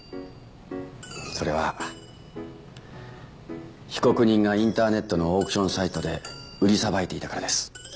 それは被告人がインターネットのオークションサイトで売りさばいていたからです。